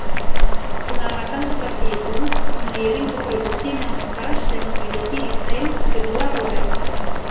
Pengamatan seperti itu menggiring ke produksi nanocars yang memiliki desain kedua roda.